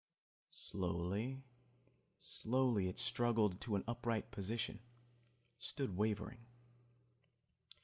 Slowly, slowly it struggled to an upright position, stood wavering.